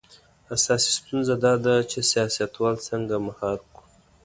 اساسي ستونزه دا ده چې سیاستوال څنګه مهار کړو.